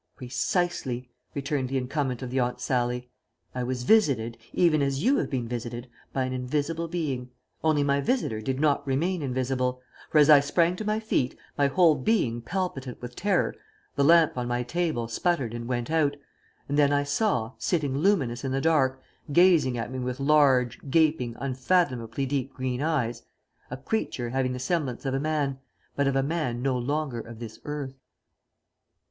"Precisely," returned the incumbent of the Aunt Sallie. "I was visited, even as you have been visited, by an invisible being, only my visitor did not remain invisible, for as I sprang to my feet, my whole being palpitant with terror, the lamp on my table sputtered and went out; and then I saw, sitting luminous in the dark, gazing at me with large, gaping, unfathomably deep green eyes, a creature having the semblance of a man, but of a man no longer of this earth."